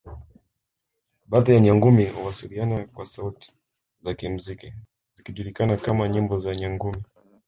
Baadhi ya Nyangumi huwasiliana kwa sauti za kimuziki zikijulikana kama nyimbo za Nyangumi